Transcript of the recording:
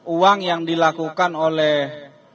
uang yang dilakukan oleh